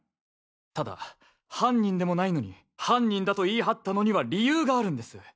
ただ犯人でもないのに犯人だと言い張ったのには理由があるんです。